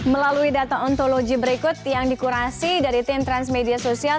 melalui data ontologi berikut yang dikurasi dari tim transmedia sosial